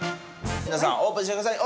皆さんオープンしてください。